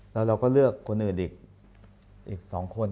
แล้วเราก็เลือกคนอื่นอีก๒คน